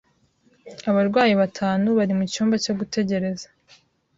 Abarwayi batanu bari mucyumba cyo gutegereza.